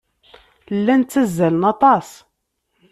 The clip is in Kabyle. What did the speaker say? Llan ttazzalen aṭas.